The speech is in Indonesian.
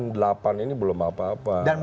delapan ini belum apa apa